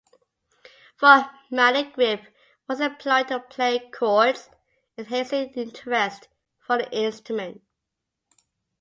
Four-mallet grip was employed to play chords, enhancing interest for the instrument.